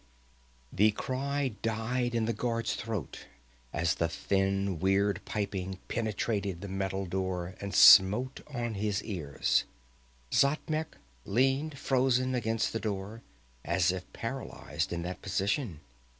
The cry died in the guard's throat as the thin, weird piping penetrated the metal door and smote on his ears. Xatmec leaned frozen against the door, as if paralyzed in that position.